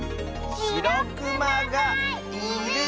しろくまがいる！